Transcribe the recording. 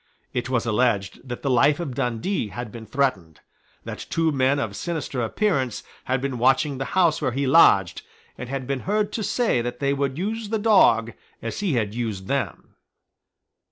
It was alleged that the life of Dundee had been threatened; that two men of sinister appearance had been watching the house where he lodged, and had been heard to say that they would use the dog as he had used them.